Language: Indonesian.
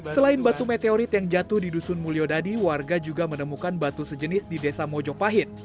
selain batu meteorit yang jatuh di dusun mulyodadi warga juga menemukan batu sejenis di desa mojopahit